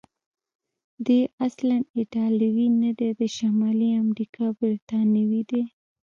دی اصلا ایټالوی نه دی، د شمالي امریکا برتانوی دی.